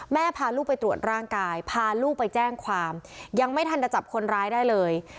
พาลูกไปตรวจร่างกายพาลูกไปแจ้งความยังไม่ทันจะจับคนร้ายได้เลย